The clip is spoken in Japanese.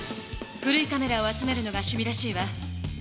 古いカメラを集めるのがしゅ味らしいわ。